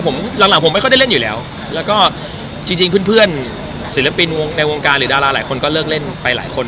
ผมหลังผมไม่ค่อยได้เล่นอยู่แล้วแล้วก็จริงเพื่อนศิลปินวงในวงการหรือดาราหลายคนก็เลิกเล่นไปหลายคน